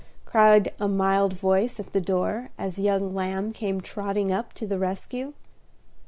cried a mild voice at the door, as young Lamb came trotting up to the rescue.